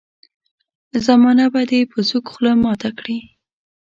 زمانه به دي په سوک خوله ماته کړي.